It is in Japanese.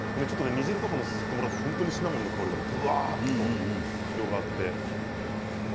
煮汁とかからもシナモンの香りがぶわっと広がって。